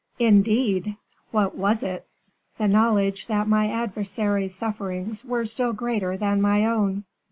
"Indeed! What was it?" "The knowledge that my adversary's sufferings were still greater than my own."